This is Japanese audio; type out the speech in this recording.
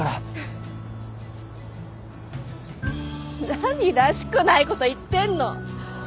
何らしくないこと言ってんの。